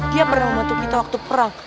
dia pernah membantu kita waktu perang